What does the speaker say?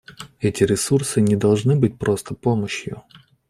Эти ресурсы не должны быть просто помощью.